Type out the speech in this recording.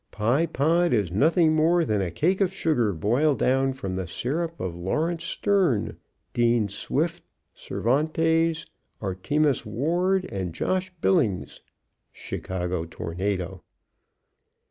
_ "Pye Pod is nothing more than a cake of sugar boiled down from the syrup of Lawrence Stearne, Dean Swift, Cervantes, Artemus Ward, and Josh Billings." _Chicago Tornado.